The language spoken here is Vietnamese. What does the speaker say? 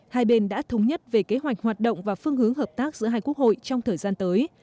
hai bên đã thống nhất về kế hoạch hoạt động và phương hướng hợp tác giữa hai quốc hội trong thời gian tới